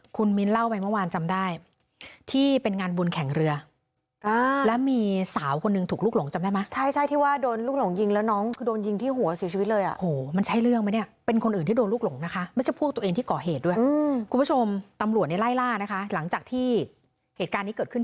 คุณมิ้นเล่าไปเมื่อวานจำได้ที่เป็นงานบุญแข่งเรือแล้วมีสาวคนหนึ่งถูกลุกหลงจำได้ไหมใช่ใช่ที่ว่าโดนลูกหลงยิงแล้วน้องคือโดนยิงที่หัวเสียชีวิตเลยอ่ะโอ้โหมันใช่เรื่องไหมเนี่ยเป็นคนอื่นที่โดนลูกหลงนะคะไม่ใช่พวกตัวเองที่ก่อเหตุด้วยคุณผู้ชมตำรวจเนี่ยไล่ล่านะคะหลังจากที่เหตุการณ์นี้เกิดขึ้น